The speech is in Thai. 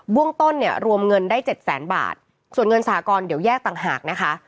เบื้องต้นเนี่ยรวมเงินได้เจ็ดแสนบาทส่วนเงินสากรณ์เดี๋ยวแยกต่างหากนะคะ